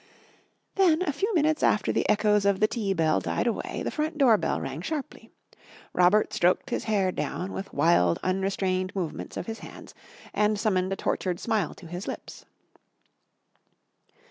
Then, a few minutes after the echoes of the tea bell died away, the front door bell rang sharply. Robert stroked his hair down with wild, unrestrained movements of his hands, and summoned a tortured smile to his lips.